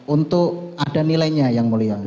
untuk ada nilainya yang mulia